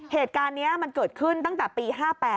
เหตุการณ์นี้มันเกิดขึ้นตั้งแต่ปี๕๘